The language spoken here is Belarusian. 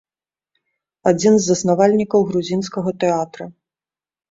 Адзін з заснавальнікаў грузінскага тэатра.